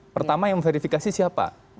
pertama yang verifikasi siapa